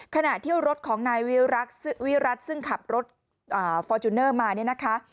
ขณะเที่ยวรถของนายวิรัตน์ซึ่งขับรถฟอร์จูเนอร์มา